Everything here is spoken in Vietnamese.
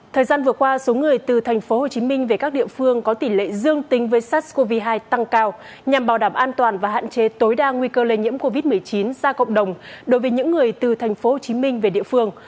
thời gian vừa qua số người từ thành phố hồ chí minh về các địa phương có tỷ lệ dương tính với sars cov hai tăng cao nhằm bảo đảm an toàn và hạn chế tối đa nguy cơ lây nhiễm covid một mươi chín ra cộng đồng đối với những người từ thành phố hồ chí minh về địa phương